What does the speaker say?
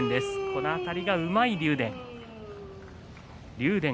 このあたり、うまい竜電。